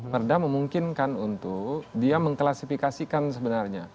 perda memungkinkan untuk dia mengklasifikasikan sebenarnya